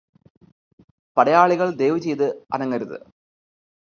പടയാളികള് ദയവു ചെയ്ത് അനങ്ങരുത്